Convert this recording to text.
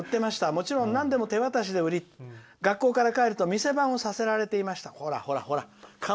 もちろん、なんでも手渡しで売り学校から帰ると店番をさせられていました。